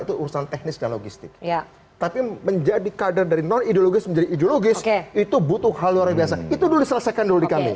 itu urusan teknis dan logistik tapi menjadi kader dari non ideologis menjadi ideologis itu butuh hal luar biasa itu dulu diselesaikan dulu di kami